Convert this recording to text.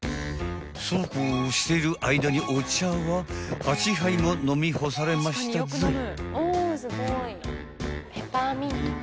［そうこうしている間にお茶は８杯も飲み干されましたぞい］